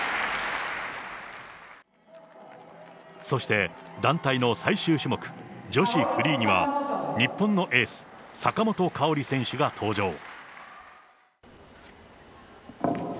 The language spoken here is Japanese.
そして、団体の最終種目、女子フリーには、日本のエース、坂本花織選手が登場。